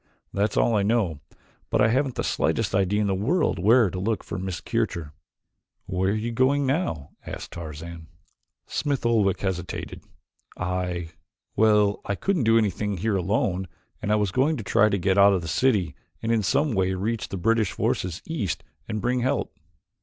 That's all I know, but I haven't the slightest idea in the world where to look for Miss Kircher." "Where were you going now?" asked Tarzan. Smith Oldwick hesitated. "I well, I couldn't do anything here alone and I was going to try to get out of the city and in some way reach the British forces east and bring help."